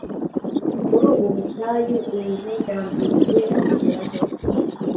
Muri ubu butayu, ubigambiriye abigeraho